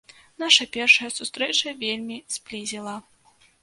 Наша першая сустрэча вельмі зблізіла.